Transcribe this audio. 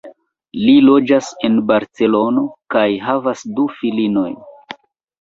Li loĝas en Barcelono kaj havas du filinojn.